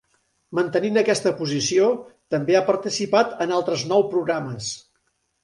Mantenint aquesta posició, també ha participat en altres nou programes.